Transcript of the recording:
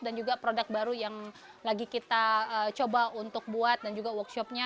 dan juga produk baru yang lagi kita coba untuk buat dan juga workshopnya